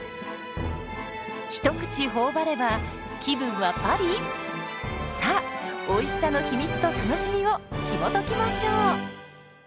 一口頬張れば気分はパリ⁉さあおいしさの秘密と楽しみをひもときましょう。